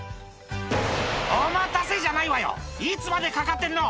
お待たせじゃないわよー、いつまでかかってるの！